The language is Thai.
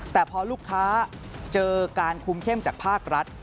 แต่พอลูกค้าเจอการคุมเข้มจากภาครัฐ